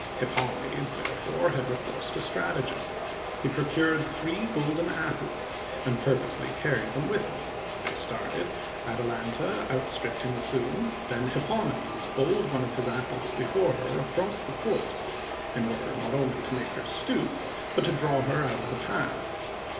Hippomenes, therefore, had recourse to stratagem. He procured three golden apples, and purposely carried them with him; they started; Atalanta outstripped him soon; then Hippomenes bowled one of his apples before her, across the course, in order not only to make her stoop, but to draw her out of the path.